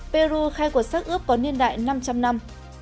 peru khai cuộc sát ướp có niên đại năm trăm linh năm